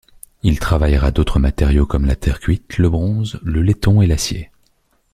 Il travaillera d'autres matériaux comme la terre cuite, le bronze, le laiton et l’acier.